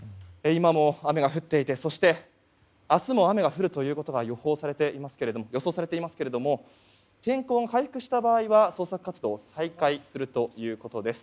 今も雨が降っていて、そして明日も雨が降るということが予想されていますけれども天候が回復した場合は捜索活動を再開するということです。